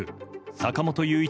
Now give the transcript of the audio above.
坂本雄一